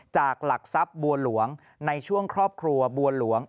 หลักทรัพย์บัวหลวงในช่วงครอบครัวบัวหลวง